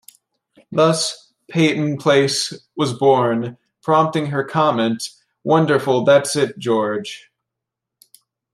Thus, "Peyton Place" was born, prompting her comment, "Wonderful-that's it, George.